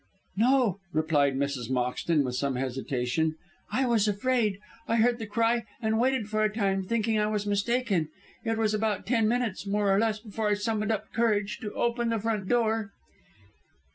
"No!" replied Mrs. Moxton, with some hesitation. "I was afraid. I heard the cry and waited for a time, thinking I was mistaken. It was about ten minutes, more or less, before I summoned up courage to open the front door."